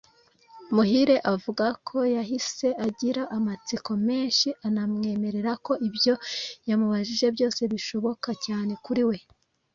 Muhire avuga ko yahise agira amatsiko menshi anamwemerera ko ibyo yamubajije byose bishoboka cyane kuri we